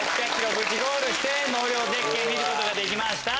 無事ゴールして納涼絶景見ることができました！